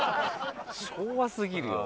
昭和すぎるよ。